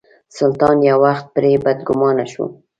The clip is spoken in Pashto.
سلطان یو وخت پرې بدګومانه شو.